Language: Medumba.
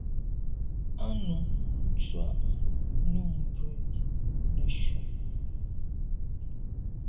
A num ntshùag num mbwe neshu.